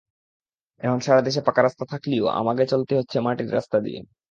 এহন সারা দেশে পাকা রাস্তা থাকলিও আমাগে চলতি হচ্ছে মাটির রাস্তা দিয়ে।